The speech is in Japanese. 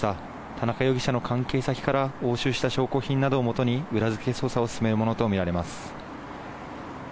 田中容疑者の関係先から押収した証拠品などをもとに裏付け捜査を進めるものとみられます。